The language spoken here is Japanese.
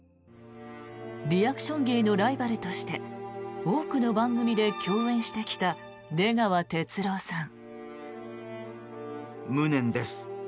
リアクション芸のライバルとして多くの番組で共演してきた出川哲朗さん。